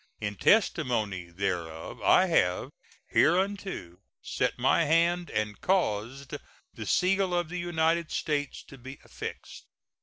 In testimony whereof I have hereunto set my hand and caused the seal of the United States to be affixed.